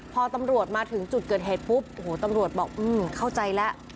พอตำรวจมาถึงจุดเกิดเหตุปุ๊บโอ้โหตำรวจบอกเข้าใจแล้ว